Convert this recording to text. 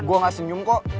gue gak senyum kok